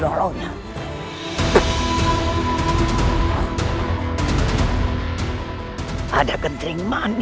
kau bisa merangkuri pertempuran